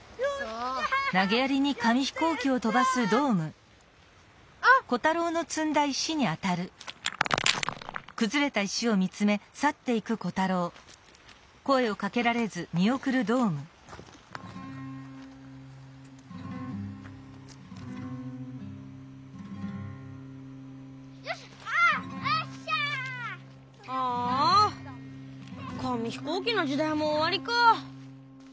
ああ紙ひこうきのじだいもおわりか。